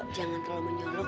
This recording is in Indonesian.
jangan terlalu menyolong